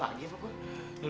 salah lagi apa kok